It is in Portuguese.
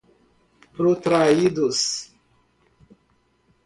protraídos